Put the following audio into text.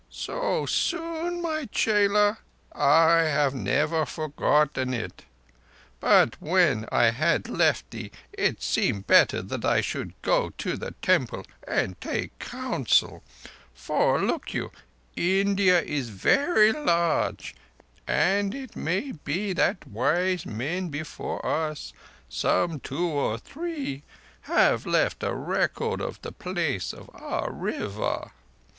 "So soon, my chela? I have never forgotten it. But when I had left thee it seemed better that I should go to the Temple and take counsel, for, look you, India is very large, and it may be that wise men before us, some two or three, have left a record of the place of our River.